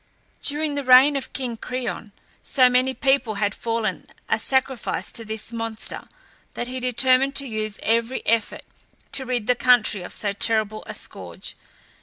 During the reign of King Creon, so many people had fallen a sacrifice to this monster, that he determined to use every effort to rid the country of so terrible a scourge.